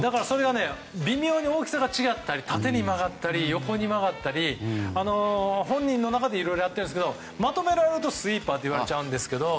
微妙に大きさが違って縦に曲がったり横に曲がったりと本人の中でいろいろやっていますがまとめられるとスイーパーって言われちゃうんですけど。